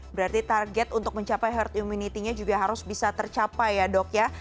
berarti target untuk mencapai herd immunity nya juga harus bisa tercapai ya dok ya